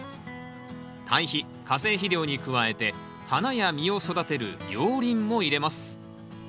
堆肥化成肥料に加えて花や実を育てる熔リンも入れます。